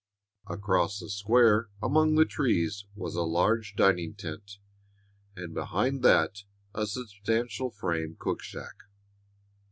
Across the square, among the trees, was a large dining tent, and behind that a substantial frame cook shack.